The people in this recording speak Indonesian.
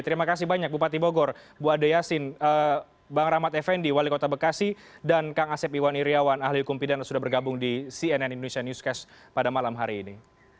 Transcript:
terima kasih banyak bupati bogor bu ade yasin bang rahmat effendi wali kota bekasi dan kang asep iwan iryawan ahli hukum pidana sudah bergabung di cnn indonesia newscast pada malam hari ini